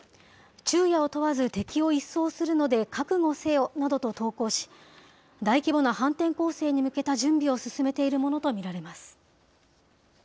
昼夜を問わず敵を一掃するので覚悟せよなどと投稿し、大規模な反転攻勢に向けた準備を進めているものと見られます。